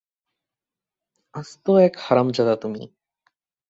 আস্ত এক হারামজাদা তুমি!